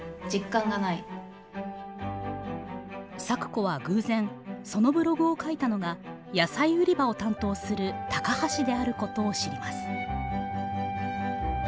咲子は偶然そのブログを書いたのが野菜売り場を担当する高橋であることを知ります。